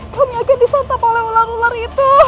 kami akan disantap oleh ular ular itu